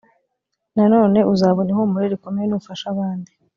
nanone uzabona ihumure rikomeye nufasha abandi